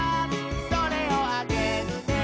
「それをあげるね」